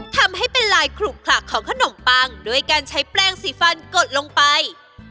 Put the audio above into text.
ทำให้เป็นลายขลุกขลักของขนมปังด้วยการใช้แปลงสีฟันกดลงไป